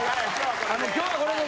今日はこれで。